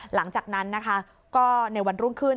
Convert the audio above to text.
หลังจากนั้นนะคะก็ในวันรุ่งขึ้น